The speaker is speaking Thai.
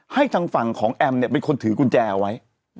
ให้ทางฝั่งของแอมเป็นคนถือกุญแจเอาไว้